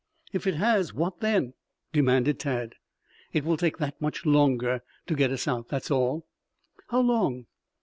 "If it has, what then?" demanded Tad. "It will take that much longer to get us out. That's all." "How long?"